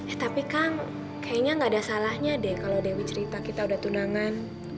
eh tapi kang kayaknya gak ada salahnya deh kalau dewi cerita kita udah tunangan